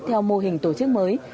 theo mô hình tổ chức mới